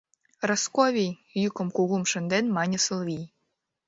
— Росковий! — йӱкым кугум шынден мане Сылвий.